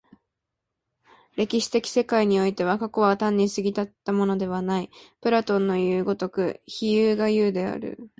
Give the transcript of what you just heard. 歴史的世界においては、過去は単に過ぎ去ったものではない、プラトンのいう如く非有が有である。